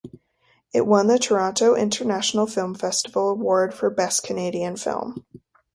It won the Toronto International Film Festival Award for Best Canadian Film.